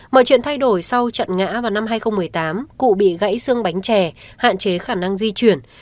mọi chuyện thay đổi sau trận ngã vào năm hai nghìn một mươi tám cụ bị gãy xương bánh chè hạn chế khả năng di chuyển